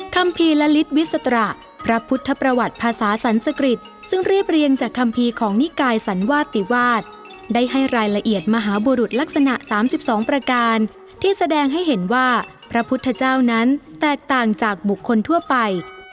ภีร์ละลิตวิสตระพระพุทธประวัติภาษาสรรสกริจซึ่งเรียบเรียงจากคัมภีร์ของนิกายสันวาติวาสได้ให้รายละเอียดมหาบุรุษลักษณะ๓๒ประการที่แสดงให้เห็นว่าพระพุทธเจ้านั้นแตกต่างจากบุคคลทั่วไป